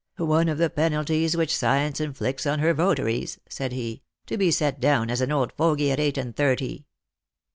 " One of the penalties which Science inflicts on her votaries," said he, " to be set down as an old fogy at eight and thirty."